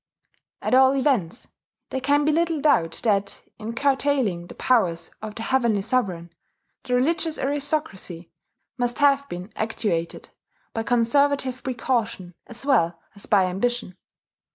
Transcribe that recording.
At all events, there can be little doubt that, in curtailing the powers of the Heavenly Sovereign, the religious aristocracy must have been actuated by conservative precaution as well as by ambition.